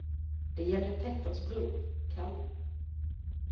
Det gällde Petters bror Kalle.